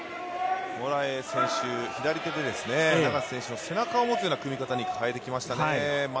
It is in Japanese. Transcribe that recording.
モラエイ選手、左手でですね、永瀬選手の背中を持つような組み方に変えてきましたね。